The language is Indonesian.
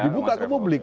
dibuka ke publik